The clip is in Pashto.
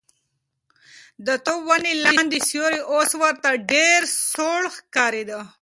د توت ونې لاندې سیوری اوس ورته ډېر سوړ ښکارېده.